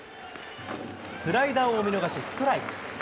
スライダーを見逃し、ストライク。